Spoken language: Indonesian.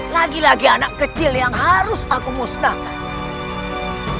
lagi lagi anak kecil yang harus aku musnahkan